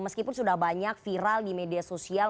meskipun sudah banyak viral di media sosial